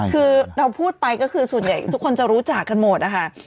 คือเราพูดไปก็คือส่วนใหญ่ทุกคนจะรู้จักกันหมดนะคะ